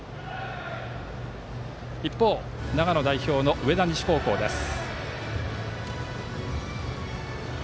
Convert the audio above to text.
一方、長野代表の上田西高校です。